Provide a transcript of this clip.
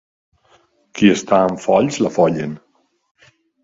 Qui està amb folls, l'afollen.